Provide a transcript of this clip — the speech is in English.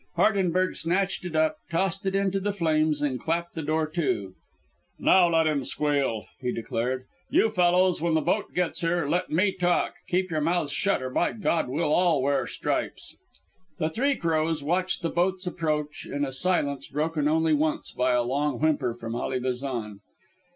Hardenberg snatched it up, tossed it into the flames and clapped the door to. "Now, let him squeal," he declared. "You fellows, when that boat gets here, let me talk; keep your mouths shut or, by God, we'll all wear stripes." The Three Crows watched the boat's approach in a silence broken only once by a long whimper from Ally Bazan.